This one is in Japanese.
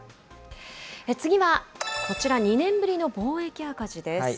次はこちら、２年ぶりの貿易赤字です。